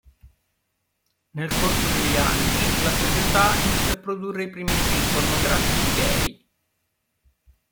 Nel corso degli anni la società iniziò a produrre i primi film pornografici gay.